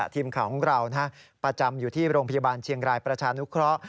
ทีมข่าวของเราประจำอยู่ที่โรงพยาบาลเชียงรายประชานุเคราะห์